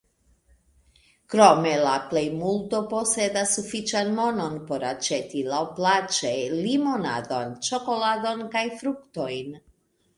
Krome la plej multo posedas sufiĉan monon por aĉeti laŭplaĉe limonadon, ĉokoladon kaj fruktojn.